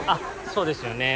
そうですよね